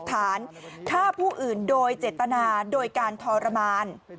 ฐานฆ่าผู้อื่นโดยเจตนาโดยการทรมาน